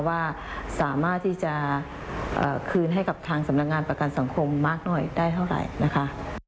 ว่าสามารถที่จะคืนให้กับทางสำนักงานประกันสังคมมากหน่อยได้เท่าไหร่นะคะ